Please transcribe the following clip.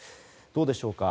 どうでしょうか。